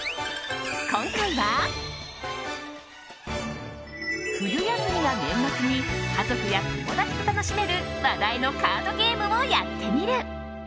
今回は、冬休みや年末に家族や友達と楽しめる話題のカードゲームをやってみる。